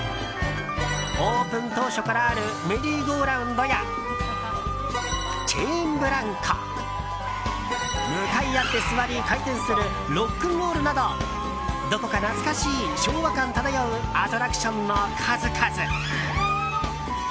オープン当初からあるメリーゴーラウンドやチェーンブランコ向かい合って座り、回転するロックンロールなどどこか懐かしい昭和感漂うアトラクションの数々。